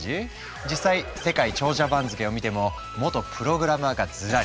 実際世界長者番付を見ても元プログラマーがずらり。